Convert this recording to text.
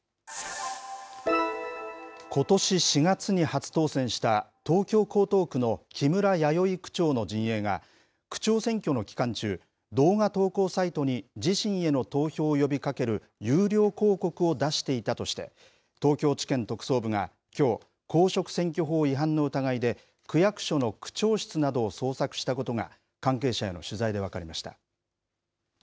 ことし４月に初当選した東京・江東区の木村弥生区長の陣営が、区長選挙の期間中、動画投稿サイトに自身への投票を呼びかける有料広告を出していたとして、東京地検特捜部がきょう、公職選挙法違反の疑いで、区役所の区長室などを捜索したことが、関係者への取材で分かりました。